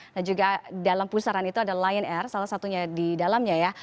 dan juga dalam pusaran itu ada lion air salah satunya di dalamnya ya